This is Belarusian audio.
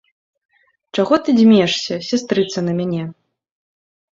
Чаго ты дзьмешся, сястрыца, на мяне!